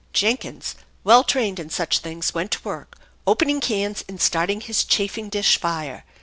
Jenkins, well trained in such things, went to work, opening cans and starting his chafing dish fire.